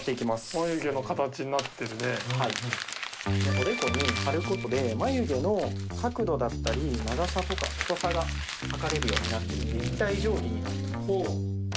おでこに貼る事で眉毛の角度だったり長さとか太さが測れるようになってる立体定規になってます。